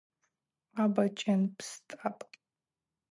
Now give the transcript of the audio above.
Аба чӏен пстӏапӏ.